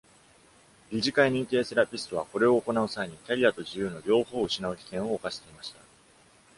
理事会認定セラピストは、これを行う際に、キャリアと自由の両方を失う危険を冒していました。